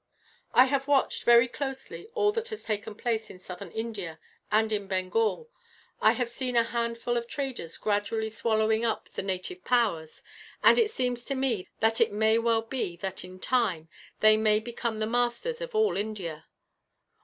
"I have watched, very closely, all that has taken place in southern India and in Bengal. I have seen a handful of traders gradually swallowing up the native powers, and it seems to me that it may well be that, in time, they may become the masters of all India.